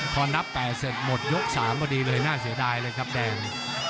พอนับ๘เสร็จหมดยก๓พอดีเลยน่าเสียดายเลยครับแดง